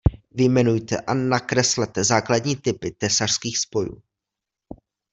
Vyjmenujte a nakreslete základní typy tesařských spojů.